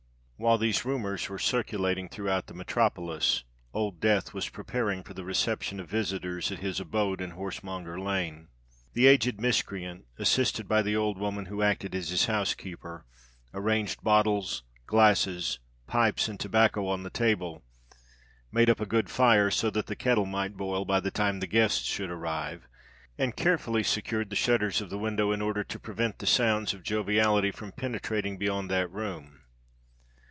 While these rumours were circulating throughout the metropolis, Old Death was preparing for the reception of visitors at his abode in Horsemonger Lane. The aged miscreant, assisted by the old woman who acted as his housekeeper, arranged bottles, glasses, pipes, and tobacco on the table—made up a good fire so that the kettle might boil by the time the guests should arrive—and carefully secured the shutters of the window in order to prevent the sounds of joviality from penetrating beyond that room.